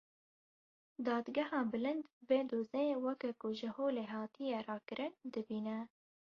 Dadgeha Bilind vê dozê weke ku ji holê hatiye rakirin, dibîne.